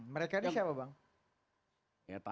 mereka ini siapa bang